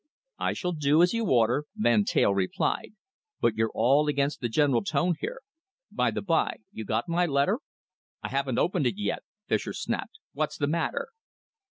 "I shall do as you order," Van Teyl replied, "but you're all against the general tone here. By the bye, you got my letter?" "I haven't opened it yet," Fischer snapped. "What's the matter?"